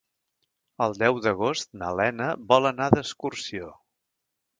El deu d'agost na Lena vol anar d'excursió.